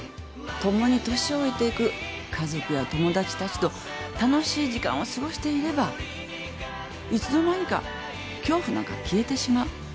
共に年老いていく家族や友達たちと楽しい時間を過ごしていればいつの間にか恐怖なんか消えてしまう